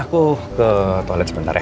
aku ke toilet sebentar ya